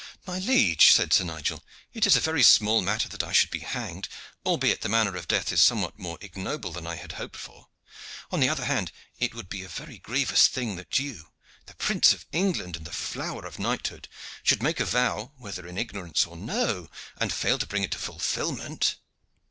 "My liege," said Sir Nigel, "it is a very small matter that I should be hanged, albeit the manner of death is somewhat more ignoble than I had hoped for. On the other hand, it would be a very grievous thing that you, the Prince of England and the flower of knighthood, should make a vow, whether in ignorance or no, and fail to bring it to fulfilment."